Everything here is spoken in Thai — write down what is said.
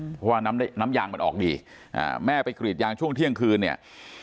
เพราะว่าน้ำยางมันออกดีแม่ไปกรีดยางช่วงเที่ยงคืนเนี่ย